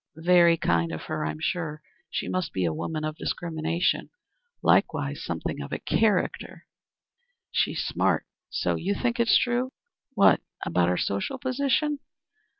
"Very kind of her, I'm sure. She must be a woman of discrimination likewise something of a character." "She's smart. So you think it's true?" "What? About our social position?